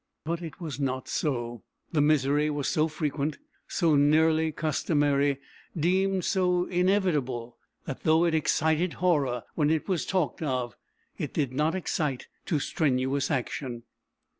But it was not so; the misery was so frequent, so nearly customary, deemed so inevitable, that, though it excited horror when it was talked of, it did not excite to strenuous action.